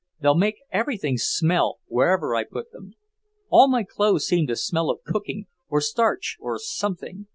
They'll make everything smell, wherever I put them. All my clothes seem to smell of cooking, or starch, or something.